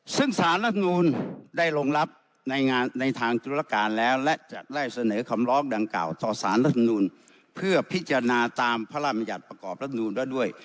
ซึ่งสารรัฐธรรมนูลได้ลงรับในงานในทางจุลการณ์แล้วและจะไล่เสนอคำล้อมดังกล่าวต่อสารรัฐธรรมนูลเพื่อพิจารณาตามพระรามญัติประกอบรัฐธรรมนูลและด้วย